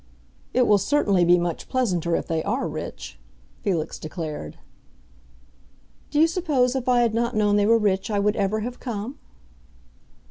"It will certainly be much pleasanter if they are rich," Felix declared. "Do you suppose if I had not known they were rich I would ever have come?"